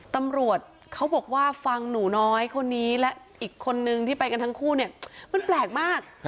ตำรวจเขาบอกว่าฟังหนูน้อยคนนี้และอีกคนนึงที่ไปกันทั้งคู่เนี่ยมันแปลกมาก